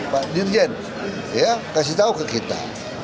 pak dirjen kasih tahu ke kita